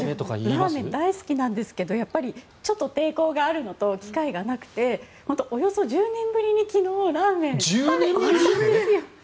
私ラーメン大好きなんですがやっぱりちょっと抵抗があるのと機会がなくておよそ１０年ぶりに、昨日ラーメンを食べに行ったんですよ。